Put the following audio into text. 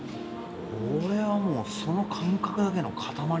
俺はもうその感覚だけの塊だよね。